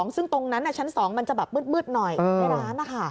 ซึ่งตรงนั้นชั้น๒มันจะแบบมืดหน่อยในร้านนะคะ